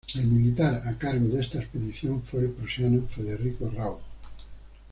El militar a cargo de esta expedición fue el prusiano Federico Rauch.